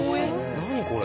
何これ？